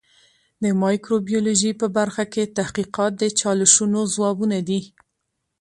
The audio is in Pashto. د مایکروبیولوژي په برخه کې تحقیقات د چالشونو ځوابونه دي.